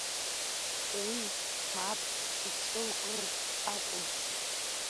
Уи мап ицәылкыр акәын.